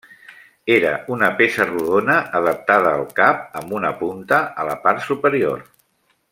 Era una peça rodona adaptada al cap amb una punta a la part superior.